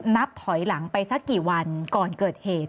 นับถอยหลังไปสักกี่วันก่อนเกิดเหตุ